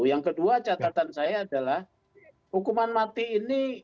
yang kedua catatan saya adalah hukuman mati ini